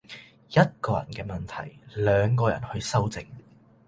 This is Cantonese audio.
一個人嘅問題，兩個人去修正